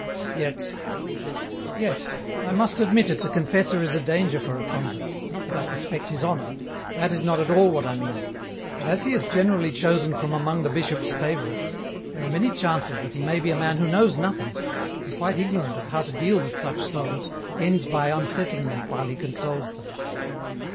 " Yet ... yet ... I must admit it, the confessor is a danger for a convent, not that I suspect his honour, that is not at all what I mean, but as he is generally chosen from among the bishop's favourites, there are many chances that he may be a man who knows nothing, and quite ignorant of how to deal with such souls, ends by unsettling them while he consoles them.